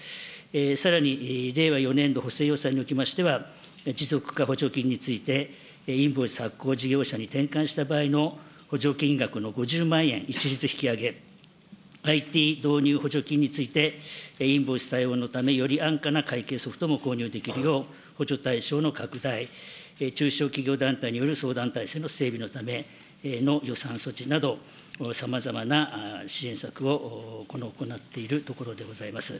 さらに、令和４年度補正予算におきましては、持続化補助金について、インボイス発行事業者に転換した場合の補助金額の５０万円一律引き上げ、ＩＴ導入補助金について、インボイス対応のためより安価な会計ソフトも購入できるよう、補助対象の拡大、中小企業団体による相談体制の整備のための予算措置など、さまざまな支援策を行っているところでございます。